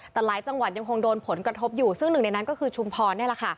แต่หลายจังหวัดยังคงโดนผลกระทบอยู่ซึ่งหนึ่งในนั้นก็คือชุมพรนี่แหละค่ะ